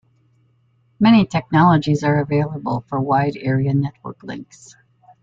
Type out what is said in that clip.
Many technologies are available for wide area network links.